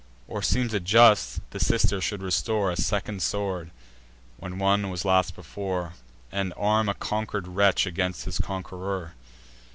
Or seems it just, the sister should restore A second sword, when one was lost before, And arm a conquer'd wretch against his conqueror?